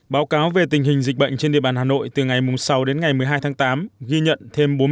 báo cáo về tình hình dịch bệnh trên địa bàn hà nội từ ngày sáu đến ngày một mươi hai tháng tám ghi nhận thêm